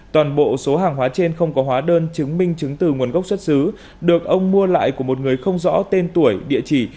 toàn bộ số hàng hóa trên không có hóa đơn chứng minh chứng từ nguồn gốc xuất xứ được ông mua lại của một người không rõ tên tuổi địa chỉ